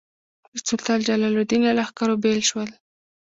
د سلطان جلال الدین له لښکرو بېل شول.